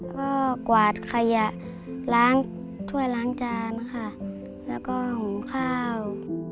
ก็กวาดขยะล้างถ้วยล้างจานค่ะแล้วก็หุงข้าว